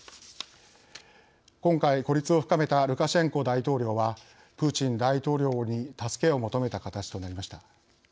今回孤立を深めたルカシェンコ大統領はプーチン大統領に助けを求めたかたちとなりました。